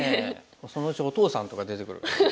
そのうちお父さんとか出てくるかも。